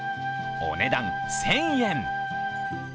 お値段１０００円。